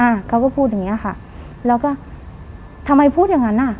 อ่าเขาก็พูดอย่างเงี้ยค่ะแล้วก็ทำไมพูดอย่างงั้นอ่ะ